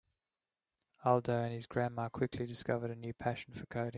Aldo and his grandma quickly discovered a new passion for coding.